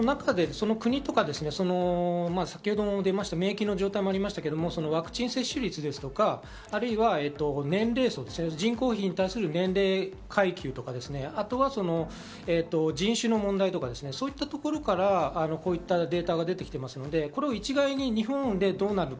ですので、免疫の状態とかもありますけど、ワクチン接種率ですとか、年齢層、人口比に対する年齢階級とか人種の問題とか、そういったところからこういったデータが出てきていますので、一概に日本でどうなるか。